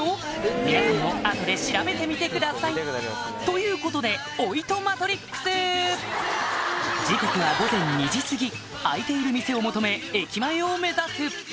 皆さんも後で調べてみてくださいということでオイトマトリックス時刻は午前２時すぎ開いている店を求め駅前を目指す